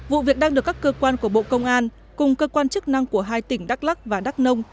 vụ việc đang được các cơ quan của bộ công an cùng cơ quan chức năng của hai tỉnh đắk lắc và đắk nông